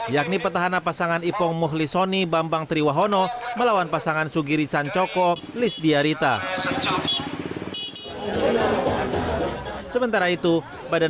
yakni petahana pasangan ipong muhlisoni bambang triwahono melawan pasangan sugiri sancoko lisdiarita